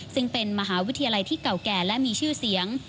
ซึ่งเป็นมหาวิทยาลัยที่เก่าแก่และมีชื่อเสียง